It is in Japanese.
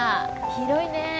広いねぇ。